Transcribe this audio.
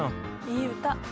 いい歌。